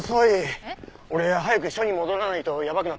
俺早く署に戻らないとやばくなった。